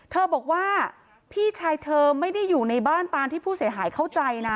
เธอบอกว่าพี่ชายเธอไม่ได้อยู่ในบ้านตามที่ผู้เสียหายเข้าใจนะ